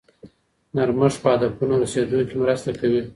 نرمښت په هدفونو رسیدو کې مرسته کوي.